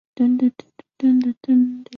箭杆杨为杨柳科杨属下的一个变种。